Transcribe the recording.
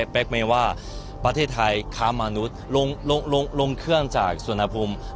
เป๊กเมว่าประเทศไทยค้ามนุษย์ลงเครื่องจากสวนภูมิ